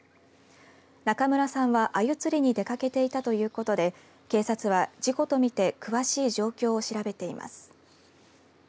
中村さんは、あゆ釣りに出かけていたということで警察は事故とみて詳しい状況を調べています。